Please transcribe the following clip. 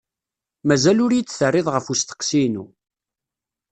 Mazal ur iyi-d-terriḍ ɣef usteqsi-inu.